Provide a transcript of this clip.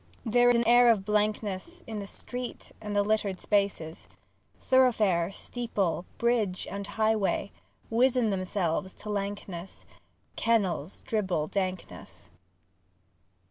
II There is an air of blankness In the street and the littered spaces; Thoroughfare, steeple, bridge and highway Wizen themselves to lankness; Kennels dribble dankness.